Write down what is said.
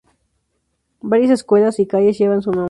Varias escuelas y calles llevan su nombre.